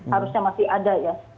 harusnya masih ada ya